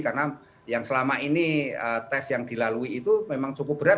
karena yang selama ini tes yang dilalui itu memang cukup berat